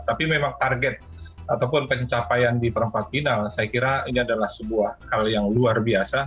tapi memang target ataupun pencapaian di perempat final saya kira ini adalah sebuah hal yang luar biasa